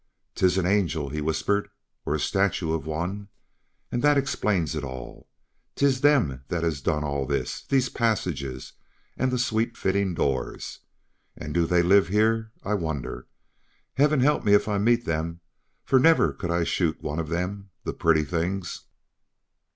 "'Tis an angel," he whispered, "or the statue of one! And that explains it all. 'Tis them that has done all this these passages, and the sweet fittin' doors. And do they live here? I wonder. Heaven help me if I meet them, for never could I shoot at one of them, the pretty things!"